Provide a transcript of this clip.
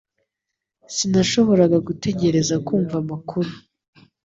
Sinashoboraga gutegereza kumva amakuru